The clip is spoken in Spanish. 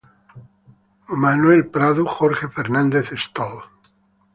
Manuel Prado.- Jorge Fernández Stoll.